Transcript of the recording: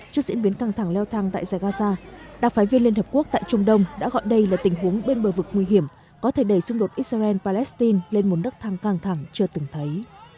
trước diễn biến căng thẳng leo thang tại giải gaza đặc phái viên liên hợp quốc tại trung đông đã gọi đây là tình huống bên bờ vực nguy hiểm có thể đẩy xung đột israel palestine lên một đất thăng căng thẳng chưa từng thấy